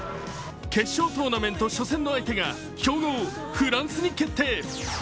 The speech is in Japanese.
決勝トーナメント初戦の相手が強豪・フランスに決定。